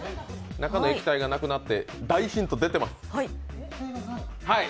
中の液体がなくなって、大ヒント出てます。